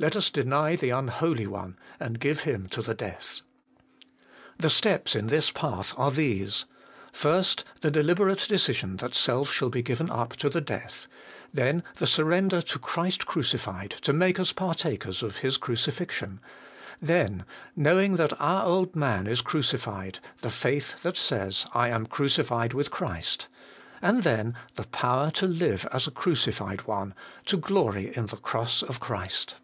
Let us deny the unholy one, and give him to the death. 2. The steps in this path are these : First, the deliberate decision that self shall be given up to the death ; then, the surrender to Christ crucified to make us partakers of His crucifixion ; then, 'knowing that our old man is cruci fied,' the faith that says, 'I am crucified with Christ;' and then, the power to Hue as a crucified one, to glory in the cross of Christ.